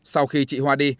sau khi chị hoa đi